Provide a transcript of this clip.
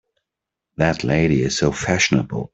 That lady is so fashionable!